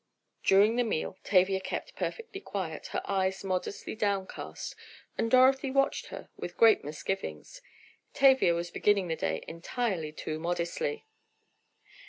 During the meal Tavia kept perfectly quiet, her eyes modestly downcast, and Dorothy watched her with great misgivings. Tavia was beginning the day entirely too modestly.